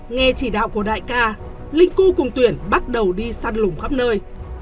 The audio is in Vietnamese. nghe chỉ đạo của đại ca linh cư cùng tuyển bắt đầu đi săn lùng khắp nơi